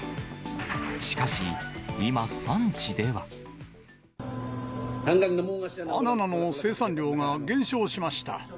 しかし、バナナの生産量が減少しました。